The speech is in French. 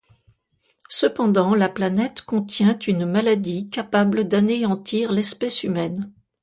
Cependant, la planète contient une maladie capable d'anéantir l'espèce humaine.